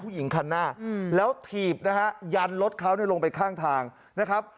ผู้หญิงคันหน้าแล้วถีบยันรถเขาลงไปข้างทางนะครับ